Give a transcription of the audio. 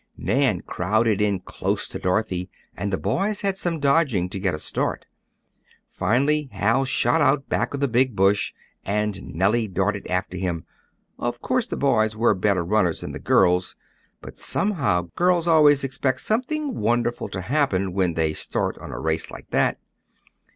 Nan crowded in close to Dorothy, and the boys had some dodging to get a start. Finally Hal shot out back of the big bush, and Nellie darted after him. Of course, the boys were better runners than the girls, but somehow, girls always expect something wonderful to happen, when they start on a race like that.